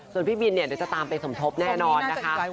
ส่วนพี่บินเนี่ยเดี๋ยวจะตามไปสมทบแน่นอนนะคะ